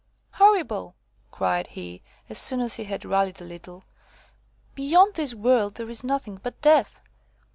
"Horrible!" cried he, as soon as he had rallied a little. "Beyond this world there is nothing but death.